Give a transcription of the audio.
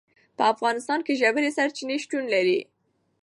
په افغانستان کې ژورې سرچینې شتون لري.